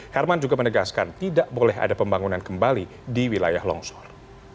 herman juga menegaskan tidak boleh ada pembangunan kembali di wilayah longsor